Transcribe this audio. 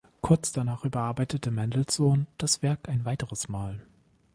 Kurz danach überarbeitete Mendelssohn das Werk ein weiteres Mal.